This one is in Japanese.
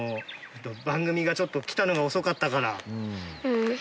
番組がちょっと来たのが遅かったから。